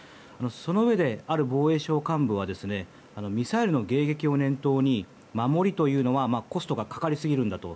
そのうえである防衛省幹部はミサイルの迎撃を念頭に守りというのはコストがかかりすぎるんだと。